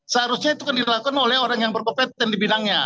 seharusnya itu kan dilakukan oleh orang yang berkompetensi di bidangnya